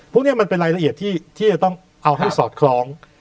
พวกนี้มันเป็นรายละเอียดที่จะต้องเอาให้สอดคล้อง